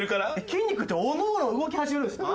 筋肉っておのおの動き始めるんですか？